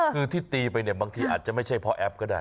คือที่ตีไปเนี่ยบางทีอาจจะไม่ใช่เพราะแอปก็ได้